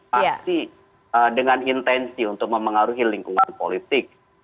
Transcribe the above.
pasti dengan intensi untuk memengaruhi lingkungan politik